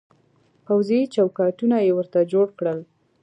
پوځي چوکاټونه يې ورته جوړ کړل.